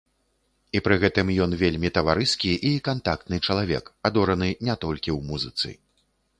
І пры гэтым ён вельмі таварыскі і кантактны чалавек, адораны не толькі ў музыцы.